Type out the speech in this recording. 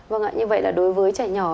vâng ạ như vậy là đối với trẻ nhỏ